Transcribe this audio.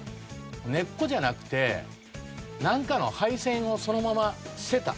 根っこじゃなくてなんかの配線をそのまま捨てた。